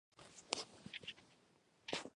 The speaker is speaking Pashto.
د عنصرونو په منځ کې د اتحاد قوې ته ولانس وايي.